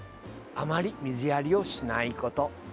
あまり水やりをしないこと。